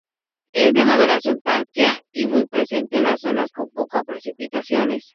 Es de maduración tardía y muy presente en las zonas con pocas precipitaciones.